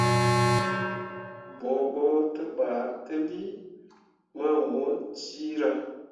Bõo ɓo te ba teli mamu ciira.